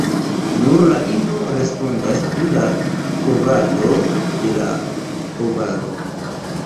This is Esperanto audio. Nur la ino responsas pri la kovado de la ovaro.